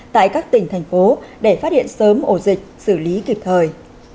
tại các tỉnh thành phố để phát hiện sớm ổ dịch xử lý kịp thời